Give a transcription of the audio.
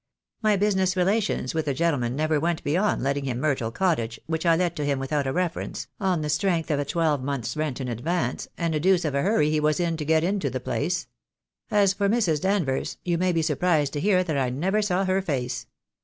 My business relations with the gentleman never went beyond letting him Myrtle Cottage, which I let to him without a reference, on the strength of a twelve month's rent in advance, and a deuce of a hurry he was in to get into the place. As for Mrs. Danvers, you may be surprised to hear that I never saw her face.